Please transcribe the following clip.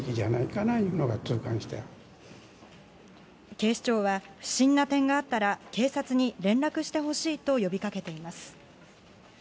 警視庁は、不審な点があったら、警察に連絡してほしいと呼びかけています。